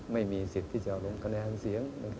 ไม่มีสิทธิ์ที่จะลงคะแนนเสียง